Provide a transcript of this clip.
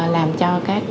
làm cho các